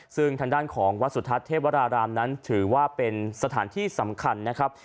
ซึ่งทางด้านของวัดสุทัศน์เทพวรารามนั้นถือว่าเป็นสถานที่สำคัญนะครับ